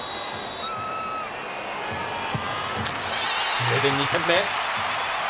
スウェーデン、２点目。